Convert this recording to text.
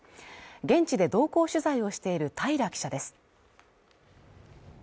現地で同行取材をしている平良記者です。